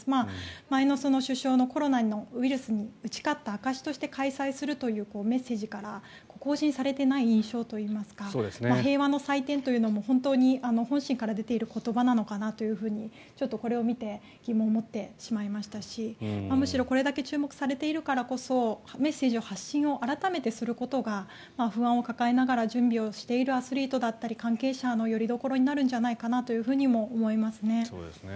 前の首相のコロナのウイルスに打ち勝った証しとして開催するというメッセージから更新されていない印象というか平和の祭典というのも本心から出ている言葉なのかなとこれを見て疑問を持ってしまいましたしむしろこれだけ注目されているからこそメッセージの発信を改めてすることが不安を抱えながら準備をしているアスリートだったり関係者のよりどころになるんじゃないかとも思いますね。